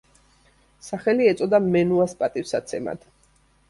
სახელი ეწოდა მენუას პატივსაცემად.